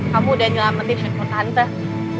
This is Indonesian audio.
kamu udah nyelametin handphone tante